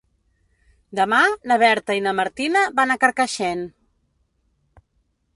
Demà na Berta i na Martina van a Carcaixent.